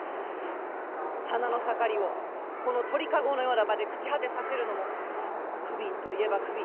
花の盛りをこの鳥籠のような場で朽ち果てさせるのも不憫といえば不憫。